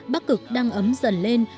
bắc cực đang ấm dần lên